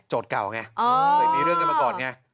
โจทย์เก่าไงอ๋อแต่มีเรื่องกันมาก่อนไง